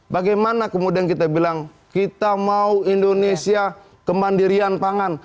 bagaimana kemudian kita bilang kita mau indonesia kemandirian pangan